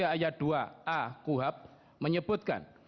ayat dua a kuhab menyebutkan